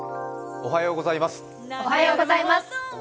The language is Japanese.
おはようございます。